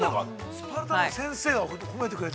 スパルタの先生が褒めてくれた。